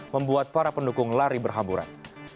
membuat para pendukung lari berhamburan